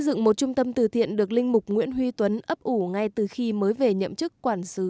cụ được trung tâm từ tiện thiên ân đón nhận về chăm sóc các cụ